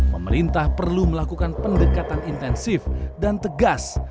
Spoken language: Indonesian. pemerintah perlu melakukan pendekatan intensif dan tegas